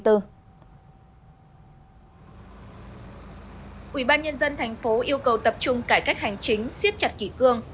ubnd thành phố yêu cầu tập trung cải cách hành chính siết chặt kỳ cương